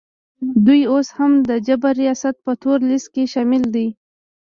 دوی اوس هم د جابر ریاست په تور لیست کي شامل دي